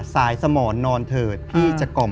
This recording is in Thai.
สายสมอนนอนเถิดพี่จะคล่อม